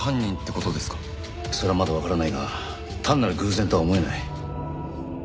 それはまだわからないが単なる偶然とは思えない。